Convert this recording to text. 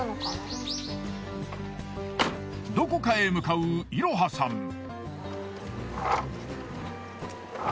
どこかへ向かういろはさん。